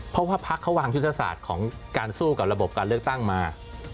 เพราะว่าพักเขาวางยุทธศาสตร์ของการสู้กับระบบการเลือกตั้งมา